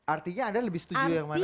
artinya anda lebih setuju yang mana